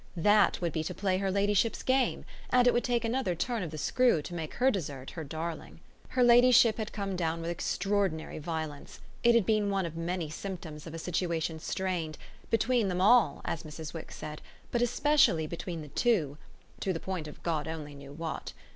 That would be to play her ladyship's game, and it would take another turn of the screw to make her desert her darling. Her ladyship had come down with extraordinary violence: it had been one of many symptoms of a situation strained "between them all," as Mrs. Wix said, "but especially between the two" to the point of God only knew what.